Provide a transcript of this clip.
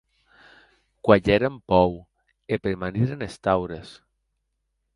Cuelheren pòur e premaniren es taures.